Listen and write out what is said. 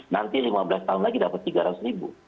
nanti lima belas tahun lagi dapat rp tiga ratus